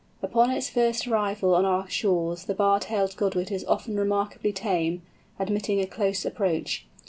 Upon its first arrival on our shores the Bar tailed Godwit is often remarkably tame, admitting a close approach.